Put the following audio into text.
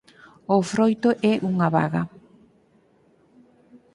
O froito é unha baga.